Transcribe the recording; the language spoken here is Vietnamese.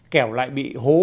kẻo lại bị hố